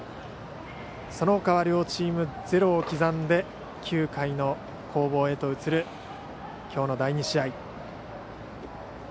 そのほかは両チーム、ゼロを刻んで９回の攻防へと移る今日の第２試合。